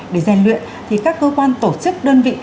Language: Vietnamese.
để rèn luyện thì các cơ quan tổ chức đơn vị